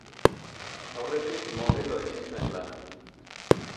Aurretik modelo egin zuen lan.